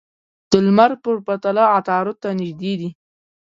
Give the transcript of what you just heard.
د لمر په پرتله عطارد ته نژدې دي.